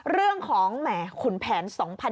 เรื่องของแหมขุนแผน๒๕๖๒